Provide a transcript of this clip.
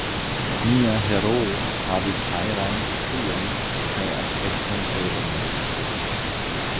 Nia heroo havis fajrajn okulojn kaj aspekton febran.